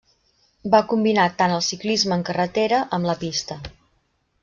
Va combinar tant el ciclisme en carretera amb la pista.